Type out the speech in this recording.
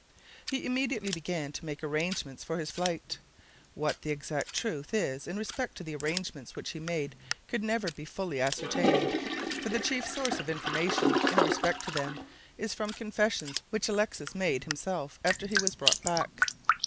He immediately began to make arrangements for his flight. What the exact truth is in respect to the arrangements which he made could never be fully ascertained, for the chief source of information in respect to them is from confessions which Alexis made himself after he was brought back.